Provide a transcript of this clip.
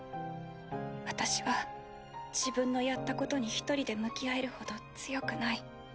私は自分のやったことに一人で向き合えるほど強くない。